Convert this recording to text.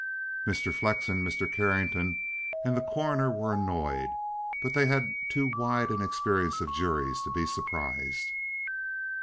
Mr. Flexen, Mr. Carrington and the Coroner were annoyed, but they had had too wide an experience of juries to be surprised.